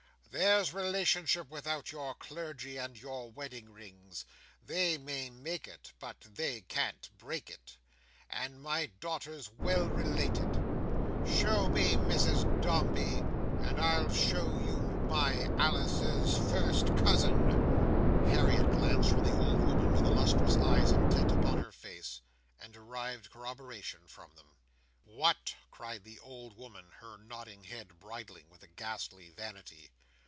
There's relationship without your clergy and your wedding rings—they may make it, but they can't break it—and my daughter's well related. Show me Mrs Dombey, and I'll show you my Alice's first cousin." Harriet glanced from the old woman to the lustrous eyes intent upon her face, and derived corroboration from them. "What!" cried the old woman, her nodding head bridling with a ghastly vanity.